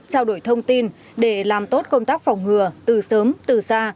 trao đổi thông tin để làm tốt công tác phòng ngừa từ sớm từ xa